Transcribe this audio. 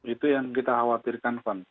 itu yang kita khawatirkan van